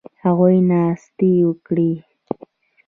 هغوی ناستې وکړې